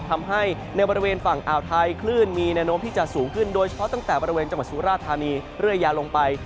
ทำให้ในบริเวณฝั่งอ่าวไทยคลื่นมีแนวโน้มที่จะสูงขึ้นโดยเฉพาะตั้งแต่บริเวณจังหวัดสุราธานีเรื่อยยาวลงไป